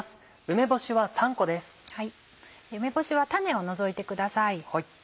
梅干しは種を除いてください。